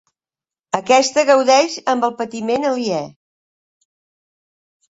Aquesta gaudeix amb el patiment aliè.